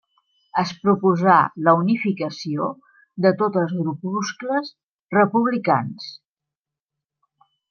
Es proposà la unificació de tots els grupuscles republicans.